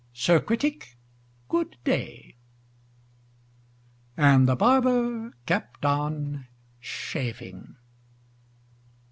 Sir Critic, good day!" And the barber kept on shaving.